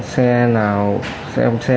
xe nào xe nào xe nào